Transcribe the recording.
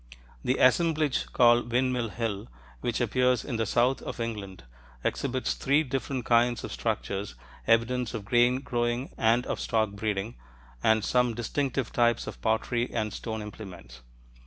The assemblage called Windmill Hill, which appears in the south of England, exhibits three different kinds of structures, evidence of grain growing and of stock breeding, and some distinctive types of pottery and stone implements.